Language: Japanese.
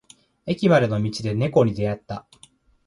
駅までの道で猫に出会った。